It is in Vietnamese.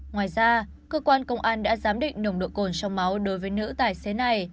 ngoài ra cơ quan công an đã giám định nồng độ cồn trong máu đối với nữ tài xế này